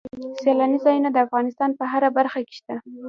سیلاني ځایونه د افغانستان په هره برخه کې شته.